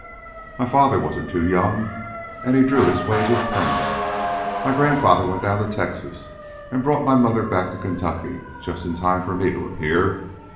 "My father wasn't too young, and he drew his wages permanent. My grandfather went down to Texas and brought my mother back to Kentucky just in time for me to appear.